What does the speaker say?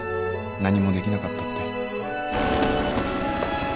何もできなかったって。